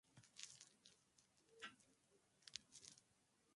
A diferencia de todas las demás películas, Clouseau está casado.